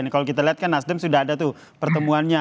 kalau kita lihat kan nasdem sudah ada tuh pertemuannya